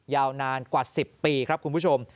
ยาวนานกว่า๑๐ปีครับคุณผู้ชม